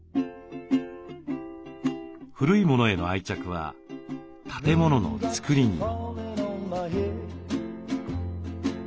古いものへの愛着は建物の造りにも。